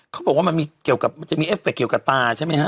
เขาบอกว่ามันจะมีเอฟเฟคเกี่ยวกับตาใช่ไหมฮะ